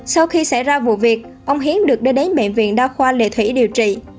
sau khi xảy ra vụ việc ông hiến được đưa đến bệnh viện đa khoa lệ thủy điều trị